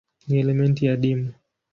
Ni elementi adimu.